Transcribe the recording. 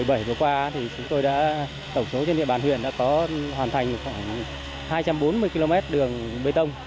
hết năm hai nghìn một mươi bảy vừa qua thì chúng tôi đã tổng số trên địa bàn huyền đã có hoàn thành khoảng hai trăm bốn mươi km đường bê tông